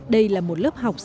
đây là một lớp học sáng